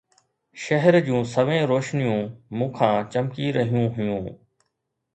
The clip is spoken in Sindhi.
شهر جون سوين روشنيون مون کان چمڪي رهيون هيون